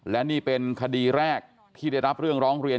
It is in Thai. และนี่เป็นคดีแรกที่ได้รับเรื่องร้องเรียน